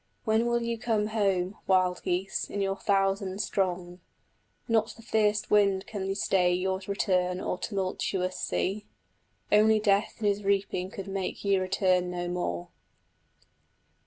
When will you come home, wild geese, in your thousand strong?... Not the fierce wind can stay your return or tumultuous sea,... Only death in his reaping could make you return no more.